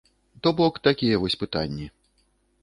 То бок, такія вось пытанні.